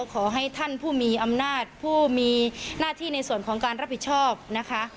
ขอให้ท่านผู้มีอำนาจผู้มีหน้าที่ในส่วนของการรับผิดชอบนะคะ